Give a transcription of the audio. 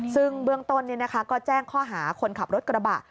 ซึ่งเบื้องต้นก็แจ้งข้อหาคนขับรถกระบะ